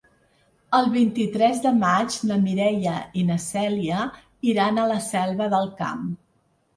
El vint-i-tres de maig na Mireia i na Cèlia iran a la Selva del Camp.